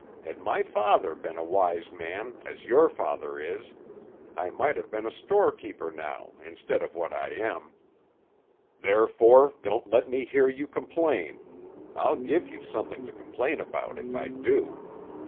Had my father been a wise man, as your father is, I might have been a storekeeper now instead of what I am; therefore don't let me hear you complain I'll give you something to complain about if I do.